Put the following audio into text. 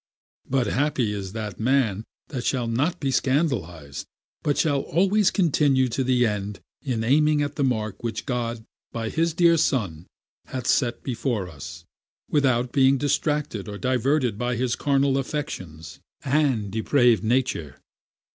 But happy is that man that shall not be scandalized, but shall always continue to the end in aiming at that mark which God by his dear Son hath set before us, without being distracted or diverted by his carnal affections and depraved nature.